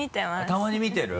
たまに見てる。